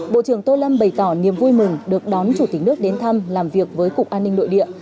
bộ trưởng tô lâm bày tỏ niềm vui mừng được đón chủ tịch nước đến thăm làm việc với cục an ninh nội địa